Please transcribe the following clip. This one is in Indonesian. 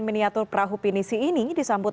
miniatur perahu pinisi ini disambut